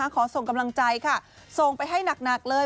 ขอส่งกำลังใจค่ะส่งไปให้หนักเลย